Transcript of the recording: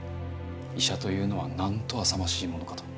医者というのはなんとあさましいものかと。